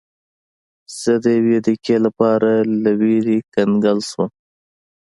زه د یوې دقیقې لپاره له ویرې کنګل شوم.